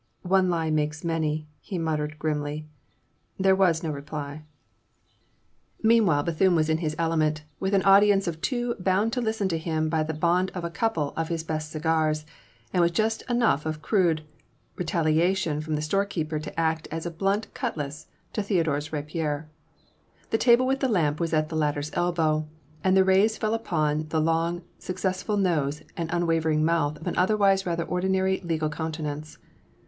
"One lie makes many," he muttered grimly. There was no reply. Meanwhile Bethune was in his element, with an audience of two bound to listen to him by the bond of a couple of his best cigars, and with just enough of crude retaliation from the storekeeper to act as a blunt cutlass to Theodore's rapier. The table with the lamp was at the latter's elbow, and the rays fell full upon the long succesful nose and the unwavering mouth of an otherwise rather ordinary legal countenance.